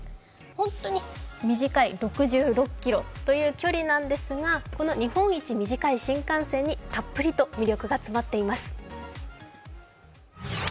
本当に短い６６ｋｍという距離なんですがこの日本一短い新幹線にたっぷりと魅力が詰まっています。